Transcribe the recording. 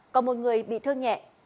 có một người bị thương nhẹ